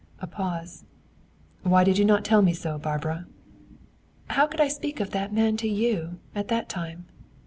A pause. "Why did you not tell me so, Barbara?" "How could I speak of that man to you, at that time?